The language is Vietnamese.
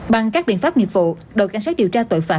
bằng các biện pháp nghiệp vụ đội cảnh sát điều tra tội phạm